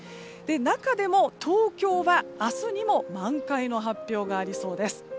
中でも東京は明日にも満開の発表がありそうです。